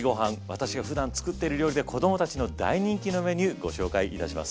私がふだん作っている料理で子供たちの大人気のメニューご紹介いたします。